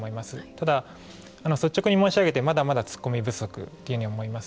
ただ、率直に申し上げてまだまだ突っ込み不足というふうに思います。